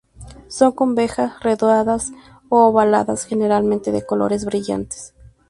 Son convexas, redondeadas u ovaladas, generalmente de colores brillantes.